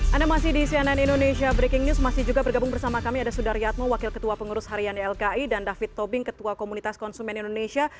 anda masih di cnn indonesia breaking news masih juga bergabung bersama kami ada sudaryatmo wakil ketua pengurus harian ylki dan david tobing ketua komunitas konsumen indonesia